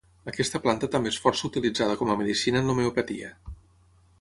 Aquesta planta també és força utilitzada com a medicina en l'homeopatia.